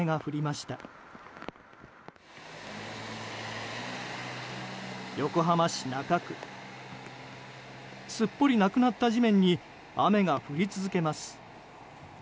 すっぽりなくなった地面に雨が降り続けます。